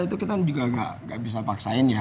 itu kita juga nggak bisa paksain ya